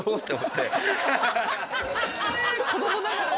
子供ながらに？